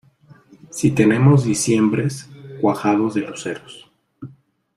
Si tenemos diciembres cuajados de luceros.